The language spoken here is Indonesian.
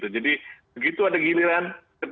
jadi begitu ada giliran